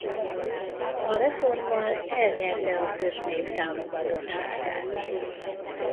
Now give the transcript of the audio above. A reformmal elnyerte a köznép támogatottságát.